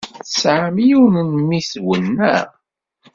Tesɛam yiwen n memmi-twen, naɣ?